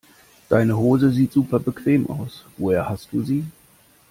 Deine Hose sieht super bequem aus, woher hast du sie?